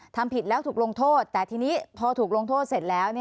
ทำผิดแล้วถูกลงโทษแต่ทีนี้พอถูกลงโทษเสร็จแล้ว